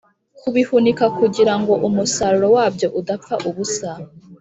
kubihunika kugira ngo umusaruro wabyo udapfa ubusa.